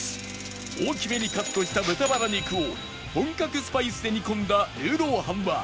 大きめにカットした豚バラ肉を本格スパイスで煮込んだルーロー飯は５４９円